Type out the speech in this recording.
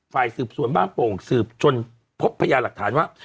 ฝ่ายสืบสวนบ้านโป่งสืบจนพบพยาหลักฐานว่า